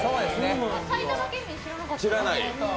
埼玉県民知らなかったです。